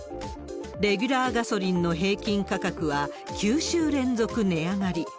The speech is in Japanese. レギュラーガソリンの平均価格は、９週連続値上がり。